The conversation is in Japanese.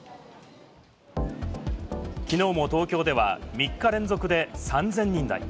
きのうも東京では、３日連続で３０００人台。